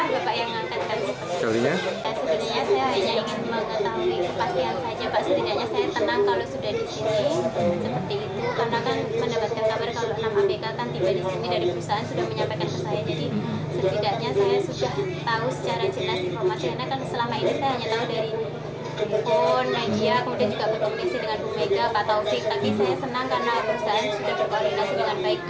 dengan keluarga kami